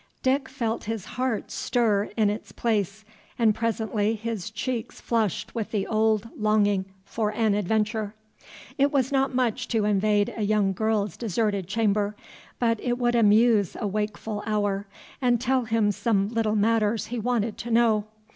Dick felt his heart stir in its place, and presently his cheeks flushed with the old longing for an adventure. It was not much to invade a young girl's deserted chamber, but it would amuse a wakeful hour, and tell him some little matters he wanted to know.